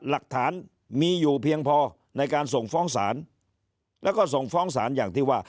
หลักฐานมีอยู่เพียงพอในการส่งฟ้องศาลแล้วก็ส่งฟ้องศาลอย่างที่ว่า